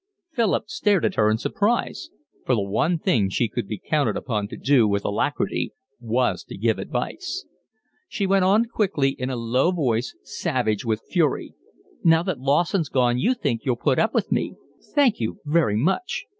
Philip stared at her in surprise, for the one thing she could be counted upon to do with alacrity was to give advice. She went on quickly in a low voice, savage with fury. "Now that Lawson's gone you think you'll put up with me. Thank you very much.